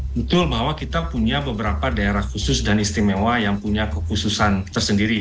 betul bahwa kita punya beberapa daerah khusus dan istimewa yang punya kekhususan tersendiri